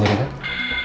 dia udah dibawa pergi